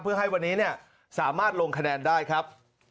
เพื่อให้วันนี้สามารถลงคะแนนได้ครับ